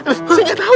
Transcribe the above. eh saya nggak tahu